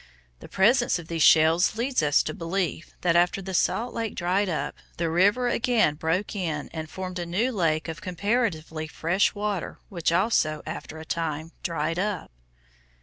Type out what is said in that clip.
The presence of these shells leads us to believe that after the salt lake dried up, the river again broke in and formed a new lake of comparatively fresh water which also, after a time, dried up.